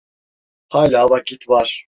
Hâlâ vakit var.